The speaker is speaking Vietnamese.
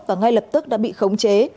và ngay lập tức đã bị khống chế